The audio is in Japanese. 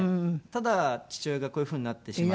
ただ父親がこういうふうになってしまって。